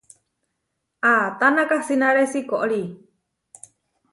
¿Atána kasínare siikorí?